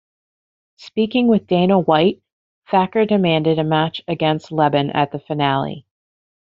Speaking with Dana White, Thacker demanded a match against Leben at the finale.